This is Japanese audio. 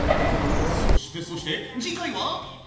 そしてそして次回は？